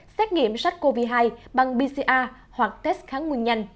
xét nghiệm sách covid hai bằng pcr hoặc test kháng nguyên nhanh